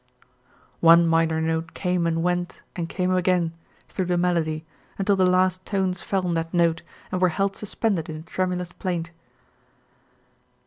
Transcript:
One minor note came and went and came again, through the melody, until the last tones fell on that note and were held suspended in a tremulous plaint.